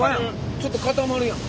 ちょっと固まるやん。